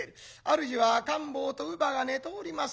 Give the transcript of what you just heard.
主は赤ん坊と乳母が寝ております